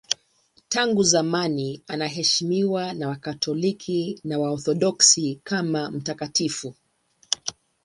Tangu zamani anaheshimiwa na Wakatoliki na Waorthodoksi kama mtakatifu.